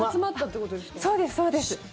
そうです、そうです。